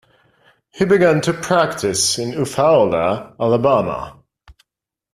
He began to practise in Eufaula, Alabama.